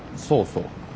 そうそう。